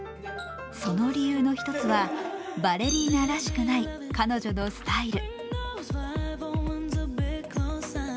その理由の１つは、バレリーナらしくない彼女のスタイル。